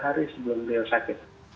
hari sebelum beliau sakit